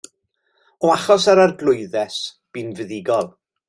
O achos yr arglwyddes bu'n fuddugol.